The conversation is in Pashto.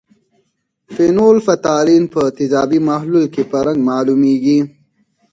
فینول فتالین په تیزابي محلول کې په رنګ معلومیږي.